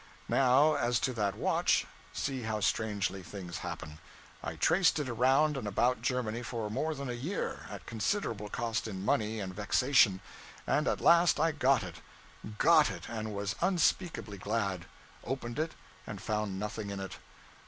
Now, as to that watch see how strangely things happen! I traced it around and about Germany for more than a year, at considerable cost in money and vexation; and at last I got it. Got it, and was unspeakably glad; opened it, and found nothing in it!